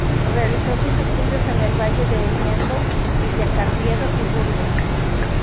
Realizó sus estudios en el valle de Liendo, Villacarriedo y Burgos.